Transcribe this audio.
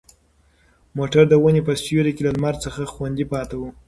موټر د ونې په سیوري کې له لمر څخه خوندي پاتې و.